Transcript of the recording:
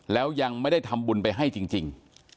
แล้วยังไม่ได้ทำบุญไปให้จริง